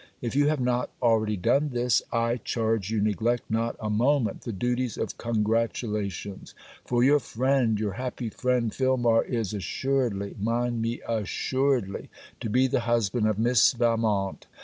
If you have not already done this, I charge you neglect not a moment the duties of congratulation; for your friend, your happy friend Filmar, is assuredly, mind me assuredly, to be the husband of Miss Valmont.